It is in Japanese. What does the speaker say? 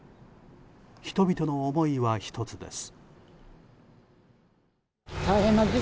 人々の思いは一つです。